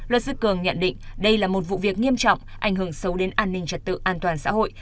luật sư cường nhận định đây là một vụ việc nghiêm trọng ảnh hưởng sâu đến an ninh trật tự an toàn xã hội